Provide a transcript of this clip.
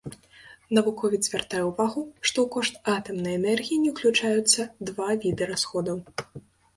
Навуковец звяртае ўвагу, што ў кошт атамнай энергіі не ўключаюцца два віды расходаў.